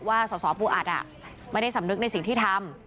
สสปูอัดไม่ได้สำนึกในสิ่งที่ทำ